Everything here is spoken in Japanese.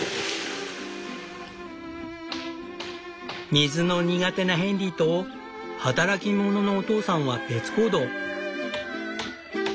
水の苦手なヘンリーと働き者のお父さんは別行動。